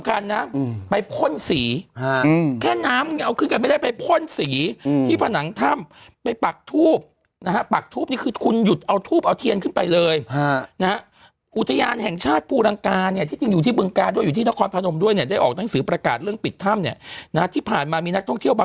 ครั้งนึงเนี่ยประเด็นคือเอาขึ้นไปเนี่ย